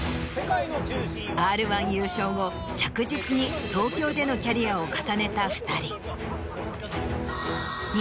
『Ｒ−１』優勝後着実に東京でのキャリアを重ねた２人。